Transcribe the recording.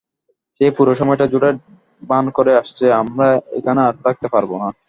সে পুরো সময়টা জুড়ে ভান করে আসছে আমরা এখানে আর থাকতে পারব না।